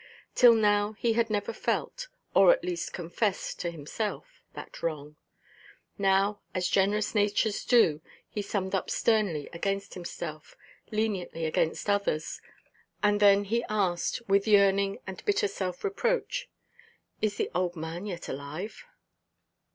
Till now he had never felt, or at least confessed to himself, that wrong. Now, as generous natures do, he summed up sternly against himself, leniently against others. And then he asked, with yearning and bitter self–reproach, "Is the old man yet alive?"